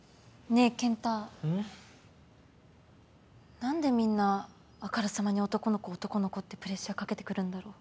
何でみんなあからさまに男の子男の子ってプレッシャーかけてくるんだろう。